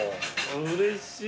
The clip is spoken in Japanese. うれしい。